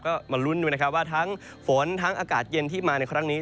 ก็มาลุ้นด้วยนะครับว่าทั้งฝนทั้งอากาศเย็นที่มาในครั้งนี้